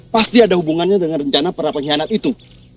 pasti ada hubungannya dengan rencana perapengkhianat itu